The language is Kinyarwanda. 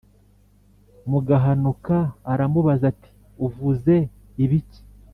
Muhanuka aramubaza ati “Uvuze ibiki?”